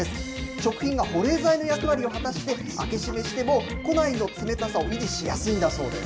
食品が保冷剤の役割を果たして、開け閉めしても庫内の冷たさを維持しやすいんだそうです。